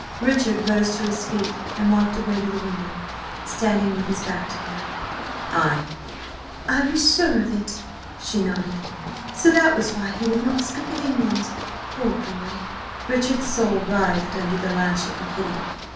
Richard rose to his feet and walked away to the window, standing with his back to her. "Ay!" "I was sure of it," she nodded. "So that was why he would not speak of England? Poor boy!" Richard's soul writhed under the lash of her pity.